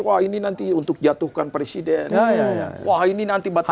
wah ini nanti untuk jatuhkan presiden wah ini nanti batasan